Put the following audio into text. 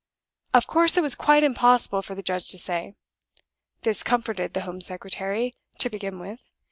Of course it was quite impossible for the judge to say. This comforted the Home Secretary, to begin with.